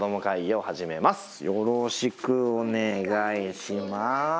よろしくお願いします。